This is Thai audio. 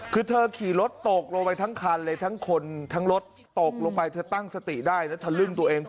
คือเธอขี่รถตกลงไปทั้งคันเลยทั้งคนทั้งรถตกลงไปเธอตั้งสติได้แล้วทะลึ่งตัวเอง